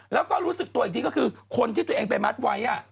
แล้วก็รู้สึกตัวอีกทีก็คือคนที่ตัวเองไปมัดไว้